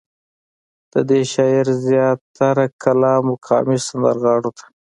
ددې شاعر زيات تره کلام مقامي سندرغاړو ته